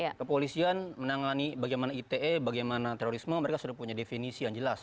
nah kepolisian menangani bagaimana ite bagaimana terorisme mereka sudah punya definisi yang jelas